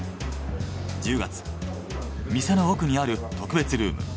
店の奥にある特別ルーム。